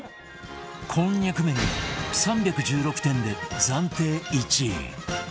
こんにゃく麺が３１６点で暫定１位